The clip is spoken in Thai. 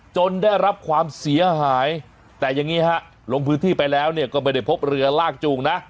ได้รับความเสียหายแต่อย่างนี้ฮะลงพื้นที่ไปแล้วเนี่ยก็ไม่ได้พบเรือลากจูงนะ